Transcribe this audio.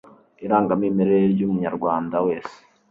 irangamimerere ry' umunyarwanda wese